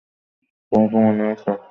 তোমার কি মনে আছে?